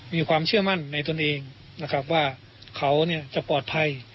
มีความเชื่อมั่นในตนเองนะครับว่าเขาจะปลอดภัย